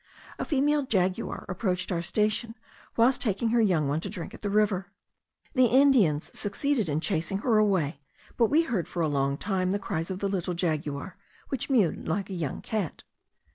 A female jaguar approached our station whilst taking her young one to drink at the river. The Indians succeeded in chasing her away, but we heard for a long time the cries of the little jaguar, which mewed like a young cat.